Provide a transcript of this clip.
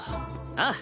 ああ。